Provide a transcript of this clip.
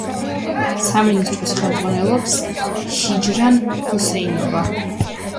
სამინისტროს ხელმძღვანელობს ჰიჯრან ჰუსეინოვა.